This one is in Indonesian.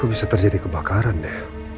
aku bisa terjadi kebakaran ya